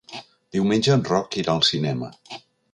Diumenge en Roc irà al cinema.